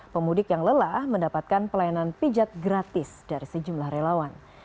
pemudik yang lelah mendapatkan pelayanan pijat gratis dari sejumlah relawan